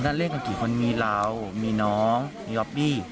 คุณท่านเล่นกันกันกี่คนมีเรามีน้องมีออฟตี้